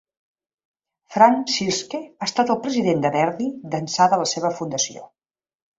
Frank Bsirske ha estat el president de Verdi d'ençà de la seva fundació.